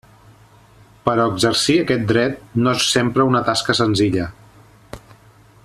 Però exercir aquest dret no és sempre una tasca senzilla.